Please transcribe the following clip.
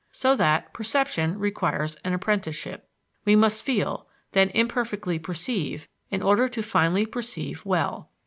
So that perception requires an apprenticeship; we must feel, then imperfectly perceive, in order to finally perceive well.